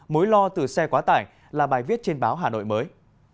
mối lo từ xe quá tải là bài viết trên báo hà nội mới